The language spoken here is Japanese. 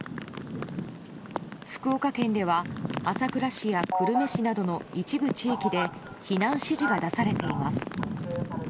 福岡県では、朝倉市や久留米市などの一部地域で避難指示が出されています。